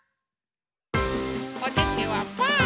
おててはパー。